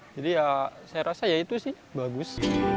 jadi ya saya rasa ya itu sih bagus